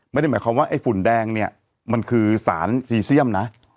ไม่ได้หมายความว่าไอ้ฝุ่นแดงเนี่ยมันคือสารซีเซียมนะ